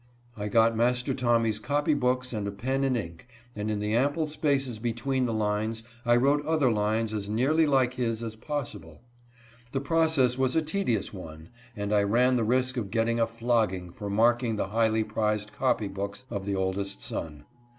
I got Master Tommy's copy books and a pen and ink, and in the ample spaces between the lines I wrote other lines as nearly like his as possible. The process was a tedious one, and I ran the risk of getting a flogging for marking the highly prized copy books of the oldest son.